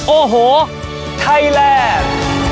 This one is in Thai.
โอ้โหไทแรม